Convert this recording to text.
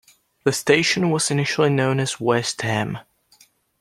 The station was initially known as West Ham.